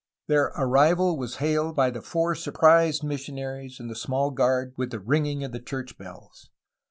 Their arrival was hailed by the four surprised missionaries and the small guard with the ringing of the church bells.